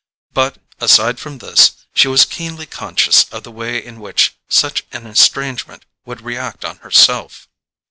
But, aside from this, she was keenly conscious of the way in which such an estrangement would react on herself.